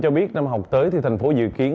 cho biết năm học tới thì thành phố dự kiến